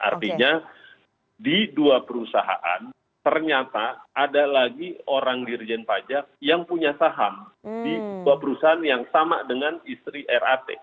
karena di dua perusahaan ternyata ada lagi orang dirjen pajak yang punya saham di dua perusahaan yang sama dengan istri rat